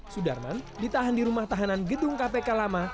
sudarman ditahan di rumah tahanan gedung kpk lama